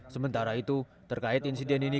sementara itu terkait insiden ini